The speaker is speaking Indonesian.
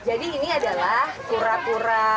jadi ini adalah kura kura